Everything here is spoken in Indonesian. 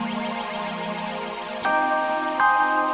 tunggu aku mau ke sana